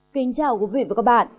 kính chào quý vị và các bạn